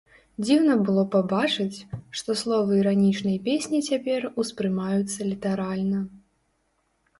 Дзіўна было пабачыць, што словы іранічнай песні цяпер успрымаюцца літаральна.